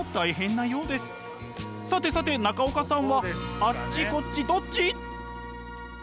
さてさて中岡さんはあっちこっちどっち？